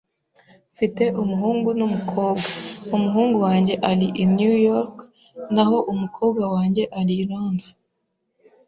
Mfite umuhungu n'umukobwa. Umuhungu wanjye ari i New York, naho umukobwa wanjye ari i Londres.